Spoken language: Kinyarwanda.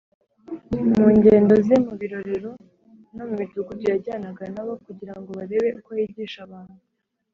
.” Mu ngendo ze mu birorero no mu midugudu yajyanaga nabo, kugira ngo barebe uko yigisha abantu